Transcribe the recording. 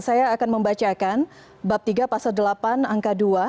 saya akan membacakan bab tiga pasal delapan angka dua